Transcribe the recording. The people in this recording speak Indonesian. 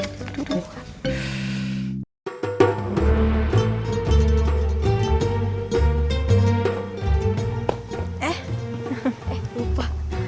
eh eh lupa